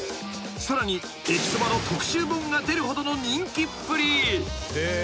［さらに駅そばの特集本が出るほどの人気っぷり］